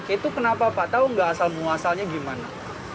itu kenapa pak tahu nggak asal menguasalnya gimana